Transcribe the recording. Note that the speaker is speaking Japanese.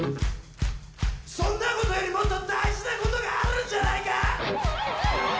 そんなことよりもっと大事なことがあるんじゃないか？